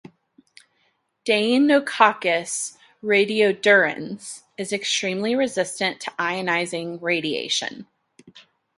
"Deinococcus radiodurans" is extremely resistant to ionizing radiation.